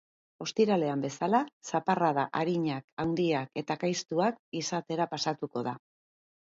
Ostiralean bzeala, zaparrada arinak handiak eta ekaitztsuak izatera pasatuko da.